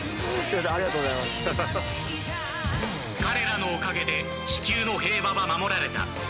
［彼らのおかげで地球の平和は守られた］